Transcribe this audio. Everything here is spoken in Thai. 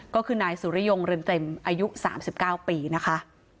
ก็คือนายสุริยงเรือนเต็มอายุ๓๙ปีนะคะ